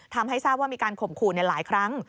ทำให้ทราบว่ามีการข่มขู่หลายครั้ง